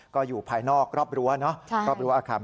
ก็อยู่ภายนอกรอบรั้วอาคาร